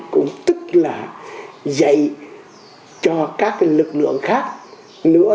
cũng tức là dạy cho các lực lượng khác nữa